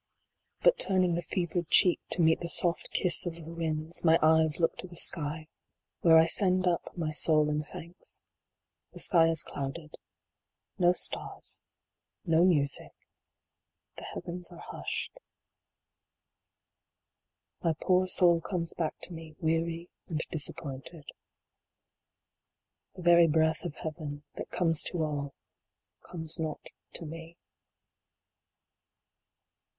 But turning the fevered cheek to meet the soft kiss of Jhe winds, my eyes look to the sky, where I send up my soul in thanks. The sky is clouded no stars no music the heavens are hushed. My poor soul comes back to me, weary and disap pointed. The very breath of heaven, that comes to all, comes not to me.